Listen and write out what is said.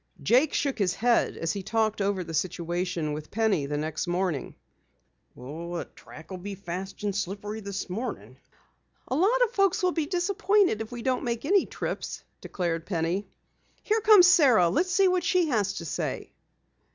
Jake shook his head as he talked over the situation with Penny the next morning. "The track will be fast and slippery this morning." "A lot of folks will be disappointed if we don't make any trips," declared Penny. "Here comes Sara. Let's see what she has to say."